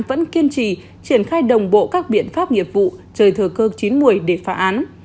vẫn kiên trì triển khai đồng bộ các biện pháp nghiệp vụ trời thừa cơ chín một mươi để phá án